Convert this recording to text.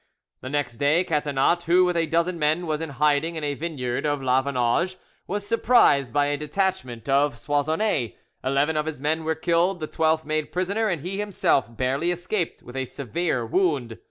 The next day, Catinat, who, with a dozen men, was in hiding in a vineyard of La Vaunage, was surprised by a detachment of Soissonnais; eleven of his men were killed, the twelfth made prisoner, and he himself barely escaped with a severe wound.